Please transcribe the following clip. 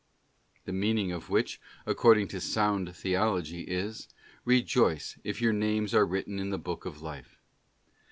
* The meaning of which, according to sound Theology, is: Rejoice, if your names are written in the Book of Life.